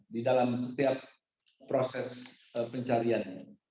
di dalam setiap proses pencarian